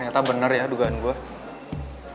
rata bener ya dugaan gue